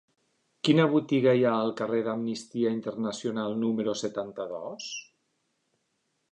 Quina botiga hi ha al carrer d'Amnistia Internacional número setanta-dos?